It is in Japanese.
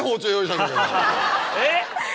えっ⁉